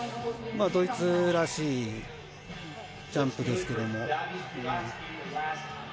ドイツらしいジャンプですけども。